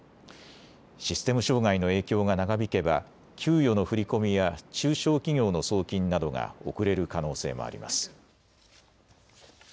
システム障害の影響が長引けば給与の振り込みや中小企業の送金などが遅れる可能性もあります。